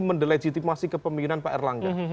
mendelegitimasi kepemimpinan pak erlangga